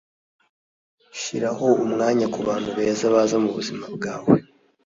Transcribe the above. shiraho umwanya kubantu beza baza mubuzima bwawe